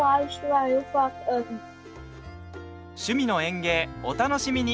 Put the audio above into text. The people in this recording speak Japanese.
「趣味の園芸」お楽しみに！